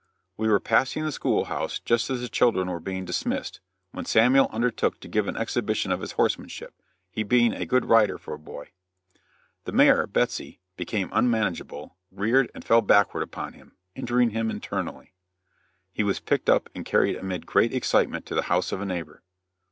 We were passing the school house just as the children were being dismissed, when Samuel undertook to give an exhibition of his horsemanship, he being a good rider for a boy. The mare, Betsy, became unmanageable, reared and fell backward upon him, injuring him internally. He was picked up and carried amid great excitement to the house of a neighbor.